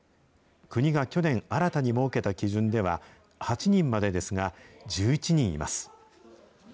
国が去年、新たに設けた基準では、８人までですが、１１人います。